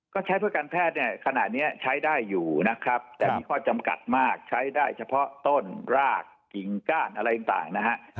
ก็ใช้เพื่อการแพทย์เนี่ยขณะนี้ใช้ได้อยู่นะครับแต่มีข้อจำกัดมากใช้ได้เฉพาะต้นรากกิ่งก้านอะไรต่างนะฮะ